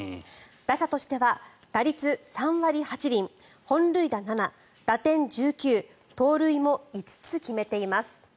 打者としては打率３割８厘、本塁打７打点１９盗塁も５つ決めています。